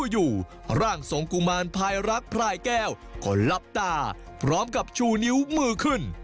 อยู่ร่างทรงกุมารพลายรักพลายแก้วก็ลับตาพร้อมกับชูนิ้วมือขึ้น